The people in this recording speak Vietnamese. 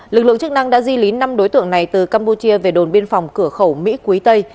lực lượng chức năng đã di lý năm đối tượng này từ campuchia về đồn biên phòng cửa khẩu mỹ quý tây